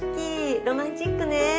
ロマンチックね。